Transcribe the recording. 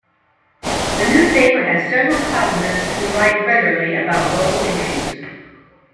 The newspaper has several columnists who write regularly about local issues.